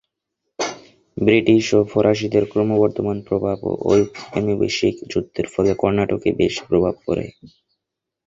British ও ফরাসিদের ক্রমবর্ধমান প্রভাব ও ঔপনিবেশিক যুদ্ধের ফলে কর্ণাটকে বেশ প্রভাব পড়ে।